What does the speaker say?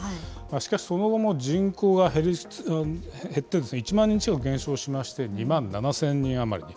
しかし、その後も人口が減って、１万人近く減少しまして、２万７０００人余りに。